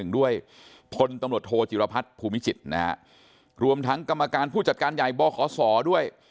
ด้วยพลตำรวจโทจิรพัฒน์ภูมิจิตรนะฮะรวมทั้งกรรมการผู้จัดการใหญ่บขศด้วย